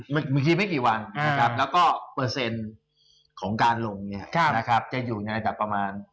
เมื่อกี้ไม่กี่วันแล้วก็เปอร์เซ็นต์ของการลงจะอยู่ในระดับประมาณ๓๕